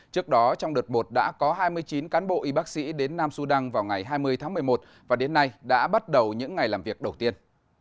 trước đó trong đợt một đã có hai mươi chín cán bộ y bác sĩ đến nam sudan vào ngày hai mươi tháng một mươi một và đến nay đã bắt đầu những ngày làm việc đầu tiên